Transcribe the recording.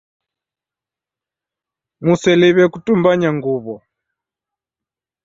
Museliw'e kutumbanya nguw'o.